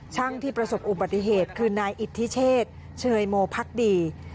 ช่างที่ประสบอุบัติเหตุคือนายอิทธิเชษเชยโมพักดี